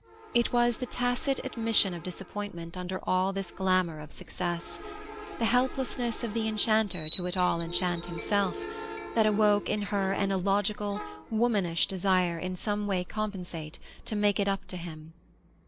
It was the tacit admission of disappointment under all this glamour of success the helplessness of the enchanter to at all enchant himself that awoke in her an illogical, womanish desire to in some way compensate, to make it up to him.